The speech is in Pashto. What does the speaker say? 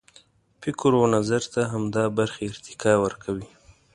فکر و نظر ته همدا برخې ارتقا ورکوي.